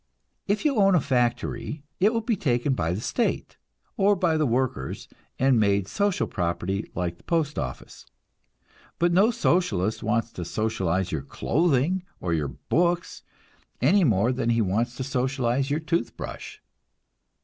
If you own a factory, it will be taken by the state, or by the workers, and made social property like the postoffice; but no Socialist wants to socialize your clothing, or your books, any more than he wants to socialize your toothbrush.